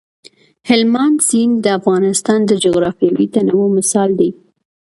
هلمند سیند د افغانستان د جغرافیوي تنوع مثال دی.